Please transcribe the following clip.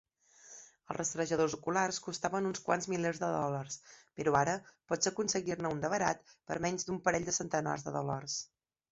Els rastrejadors oculars costaven uns quants milers de dòlars, però ara pots aconseguir-ne un de barat per menys d'un parell de centenars de dòlars.